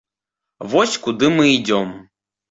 Вось куды мы ідзём.